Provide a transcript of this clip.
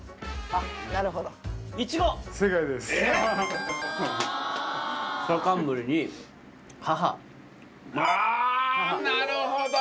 あぁなるほど！